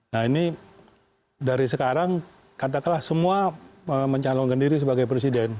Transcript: nah ini dari sekarang katakanlah semua mencalonkan diri sebagai presiden